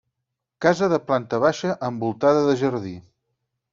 Casa de planta baixa envoltada de jardí.